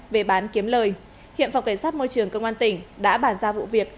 về bán kiếm lời hiện phòng cảnh sát môi trường công an tỉnh đã bàn ra vụ việc